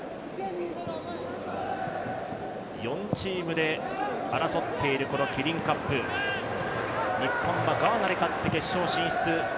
４チームで争っているこのキリンカップ、日本はガーナに勝って決勝進出。